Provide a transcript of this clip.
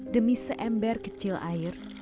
demi seember kecil air